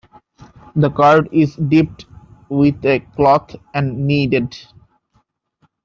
The curd is dipped with a cloth and kneaded.